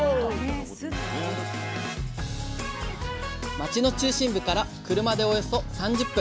町の中心部から車でおよそ３０分。